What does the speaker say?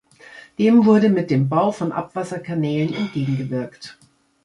Dem wurde mit dem Bau von Abwasserkanälen entgegengewirkt.